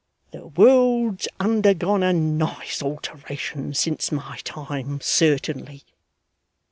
The world's undergone a nice alteration since my time, certainly.